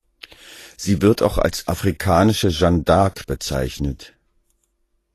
Sie wird auch als afrikanische Jeanne d’Arc bezeichnet.